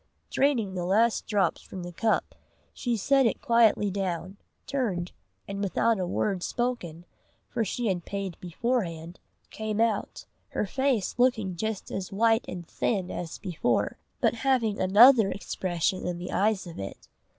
Draining the last drops from the cup, she set it quietly down, turned, and without a word spoken, for she had paid beforehand, came out, her face looking just as white and thin as before, but having another expression in the eyes of it.